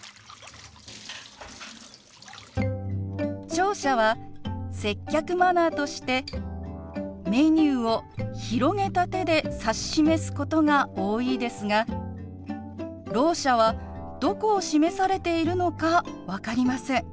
聴者は接客マナーとしてメニューを広げた手で指し示すことが多いですがろう者はどこを示されているのか分かりません。